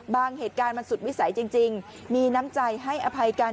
เหตุการณ์มันสุดวิสัยจริงมีน้ำใจให้อภัยกัน